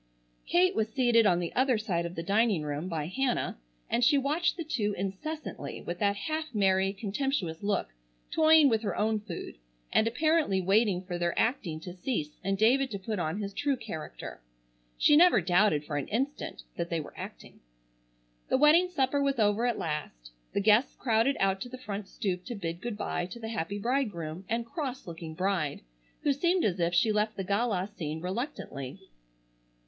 Kate was seated on the other side of the dining room, by Hannah, and she watched the two incessantly with that half merry contemptuous look, toying with her own food, and apparently waiting for their acting to cease and David to put on his true character. She never doubted for an instant that they were acting. The wedding supper was over at last. The guests crowded out to the front stoop to bid good bye to the happy bridegroom and cross looking bride, who seemed as if she left the gala scene reluctantly.